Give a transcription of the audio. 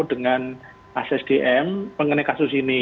dengan assdm mengenai kasus ini